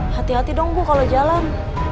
hati hati dong bu kalau jalan